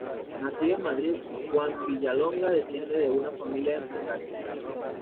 Nacido en Madrid, Juan Villalonga desciende de una familia de empresarios.